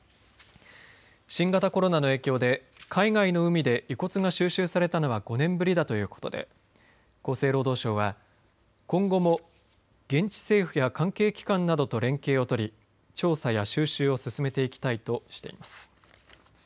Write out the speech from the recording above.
新型コロナの影響で海外の海で遺骨が収集されたのは５年ぶりだということで厚生労働省は今後も現地政府や関係機関などと連携をとり調査や収集を進めていきたいとしています。